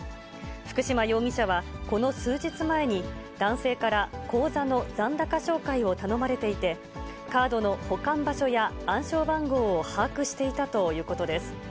福島容疑者は、この数日前に、男性から口座の残高照会を頼まれていて、カードの保管場所や暗証番号を把握していたということです。